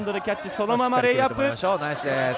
そのままレイアップ。